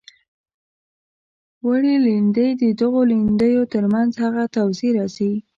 وړې لیندۍ د دغو لیندیو تر منځ هغه توضیح راځي.